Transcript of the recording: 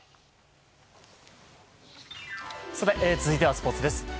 続いてはスポーツです。